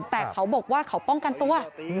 แต่เขาบอกว่าเขาป้องกันตัว